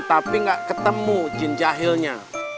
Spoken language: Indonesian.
tapi gak ketemu jin jahilnya